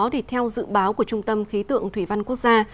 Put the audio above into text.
thì theo dự báo của trung tâm khí tượng thủy văn quốc gia